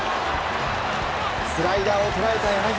スライダーを捉えた柳田。